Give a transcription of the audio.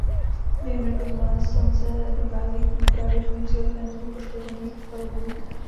Během rekonvalescence dochází k úpravě funkcí organizmu poškozených chorobou.